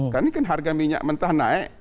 karena ini kan harga minyak mentah naik